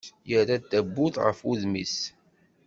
Yerra-d tawwurt ɣef wudem-is.